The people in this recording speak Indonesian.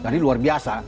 jadi luar biasa